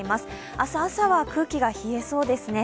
明日朝は空気が冷えそうですね。